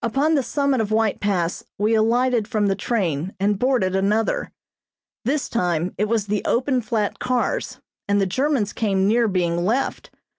Upon the summit of White Pass we alighted from the train and boarded another. This time it was the open flat cars, and the Germans came near being left.